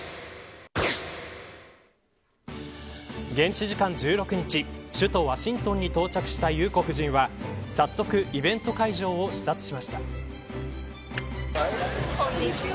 現地時間１６日首都ワシントンに到着した裕子夫人は早速イベント会場を視察しました。